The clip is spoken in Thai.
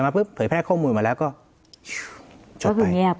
เผยแพร่ข้อมูลมาแล้วก็จดไป